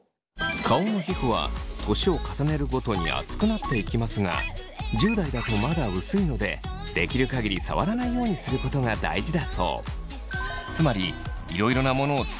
顔の皮膚は年を重ねるごとに厚くなっていきますが１０代だとまだ薄いのでできる限り触らないようにすることが大事だそう。